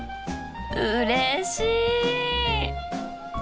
うれしい！